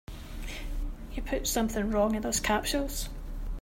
You put something wrong in those capsules.